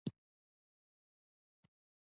دا ستر کاينات دا ښايسته ځمکه په خپل سر ندي پيدا شوي